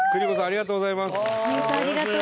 ありがとうございます。